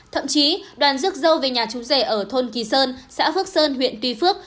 thậm chí đoàn rước dâu về nhà chú rể ở thôn kỳ sơn xã phước sơn huyện tuy phước